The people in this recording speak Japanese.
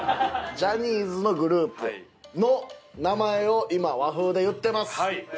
ジャニーズのグループの名前を今和風で言ってます。